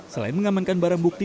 selain mengamankan barang bukti